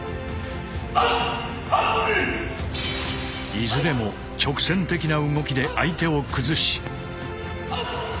いずれも直線的な動きで相手を崩し。